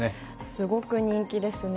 すごく人気ですね。